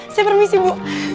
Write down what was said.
saya permisi bu